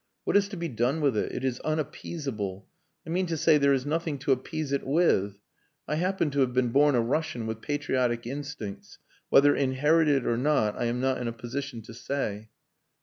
What is to be done with it? It is unappeasable. I mean to say there is nothing to appease it with. I happen to have been born a Russian with patriotic instincts whether inherited or not I am not in a position to say."